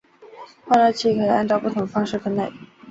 换热器可以按不同的方式分类。